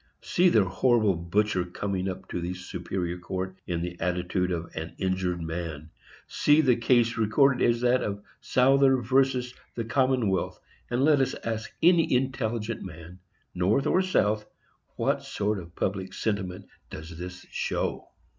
See the horrible butcher coming up to the Superior Court in the attitude of an injured man! See the case recorded as that of Souther VERSUS The Commonwealth, and let us ask any intelligent man, North or South, what sort of public sentiment does this show!